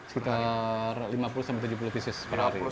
sekitar lima puluh sampai tujuh puluh pieces per hari